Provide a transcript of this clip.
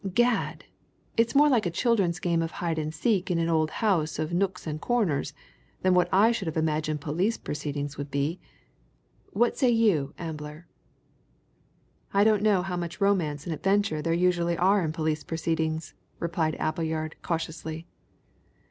"Gad! it's more like a children's game of hide and seek in an old house of nooks and corners than what I should have imagined police proceedings would be. What say you, Ambler?" "I don't know how much romance and adventure there usually are in police proceedings," replied Appleyard cautiously.